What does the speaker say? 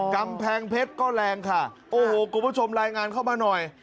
กำแพงเพชรก็แรงค่ะโอ้โหคุณผู้ชมรายงานเข้ามาหน่อย